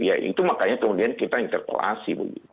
ya itu makanya kemudian kita interpelasi begitu